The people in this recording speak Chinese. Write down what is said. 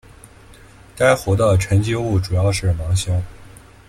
该湖的沉积物主要是芒硝。